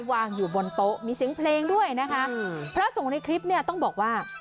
วางอยู่บนโต๊ะมีเสียงเพลงด้วยนะคะพระสงฆ์ในคลิปเนี่ยต้องบอกว่า